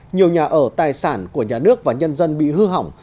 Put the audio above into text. nhiều nhà ở tài sản của nhà nước và nhân dân bị hư hỏng